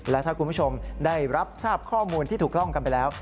และถ้าคุณผู้ชมได้รับทราบข้อมูลที่ถูกต้องกันไปแล้ว